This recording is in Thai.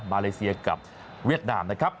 มาเลเซียกับเวียดนามนะครับ